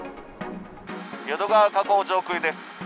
淀川河口上空です。